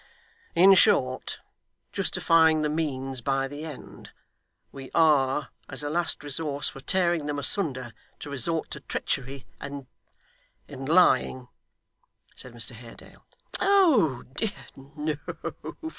'In short, justifying the means by the end, we are, as a last resource for tearing them asunder, to resort to treachery and and lying,' said Mr Haredale. 'Oh dear no.